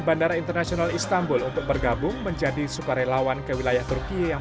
bandara internasional istanbul untuk bergabung menjadi sukarelawan ke wilayah turkiye yang